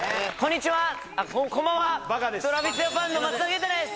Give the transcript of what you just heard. ＴｒａｖｉｓＪａｐａｎの松田元太です